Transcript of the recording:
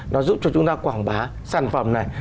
nó giúp cho chúng ta quảng bá sản phẩm này